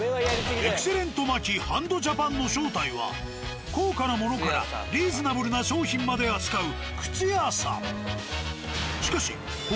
「エクセレントマキハンドジャパン」の正体は高価なものからリーズナブルな商品まで扱う靴屋さん。